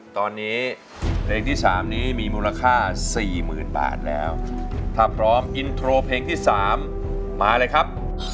ตอนนี้เพลงที่๓นี้มีมูลค่า๔๐๐๐บาทแล้วถ้าพร้อมอินโทรเพลงที่๓มาเลยครับ